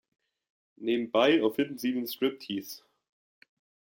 Nebenbei erfinden sie den Striptease.